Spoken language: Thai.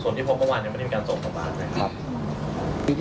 ตั้งแต่มันเป็นเสือดำจริงอันนี้คือส่งมาแล้ว